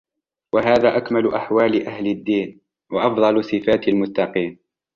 وَهَذَا أَكْمَلُ أَحْوَالِ أَهْلِ الدِّينِ ، وَأَفْضَلُ صِفَاتِ الْمُتَّقِينَ